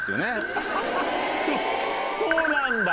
そうなんだ！